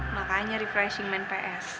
makanya refreshing men ps